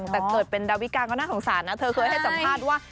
แต่เกิดเป็นดาวิกาก็น่าสงสารนะเธอเคยให้สัมภาษณ์ว่า